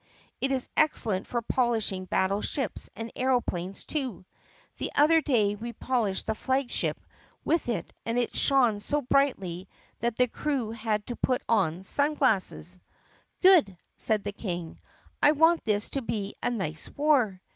It is excellent for polishing battle ships and aeroplanes, too. The other day we polished the flag ship with it and it shone so brightly that the crew had to put on sun glasses." "Good!" said the King. "I want this to be a nice war."